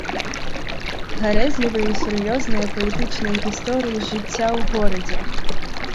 Гарэзлівыя і сур'ёзныя паэтычныя гісторыі з жыцця ў горадзе.